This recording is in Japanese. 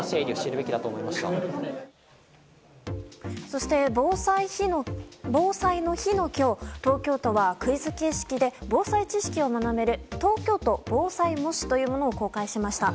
そして、防災の日の今日東京都はクイズ形式で防災知識を学べる東京都防災模試というものを公開しました。